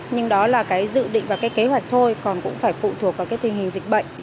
nhưng đó là cái dự định và cái kế hoạch thôi còn cũng phải phụ thuộc vào cái tình hình dịch bệnh